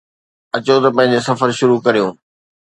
اچو ته پنهنجو سفر شروع ڪريون